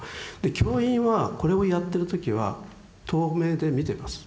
教員はこれをやってる時は遠目で見てます。